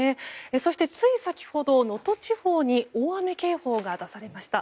そして、つい先ほど能登地方に大雨警報が出されました。